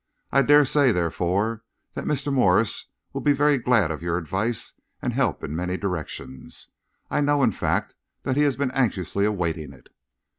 I dare say, therefore, that Mr. Morse will be very glad of your advice and help in many directions. I know, in fact, that he has been anxiously awaiting it."